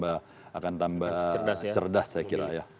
akan tambah cerdas saya kira ya